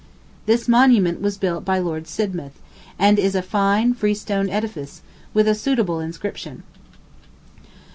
This monument was built by Lord Sidmouth, and is a fine freestone edifice, with a suitable inscription.